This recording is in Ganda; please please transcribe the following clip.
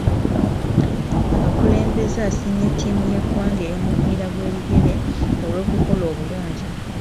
Abakulembeze asiimye ttiimu y'eggwanga ey'omupiira gw'ebigere olw'okukola obulungi.